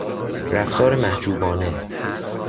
رفتار محجوبانه